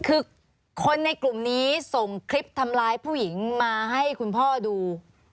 คือคนในกลุ่มนี้ส่งคลิปทำร้ายผู้หญิงมาให้คุณพ่อดู